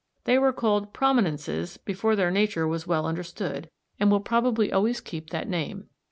They were called prominences before their nature was well understood, and will probably always keep that name.